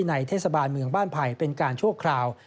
ในเทศบาลเมืองบ้านไผ่เป็นการชั่วคราว